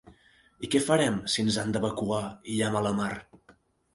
I què farem, si ens han d'evacuar i hi ha mala mar?